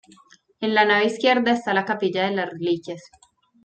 En la nave izquierda está la capilla de las Reliquias.